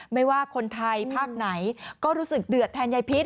ไม่ว่าคนไทยภาคไหนก็รู้สึกเดือดแทนยายพิษ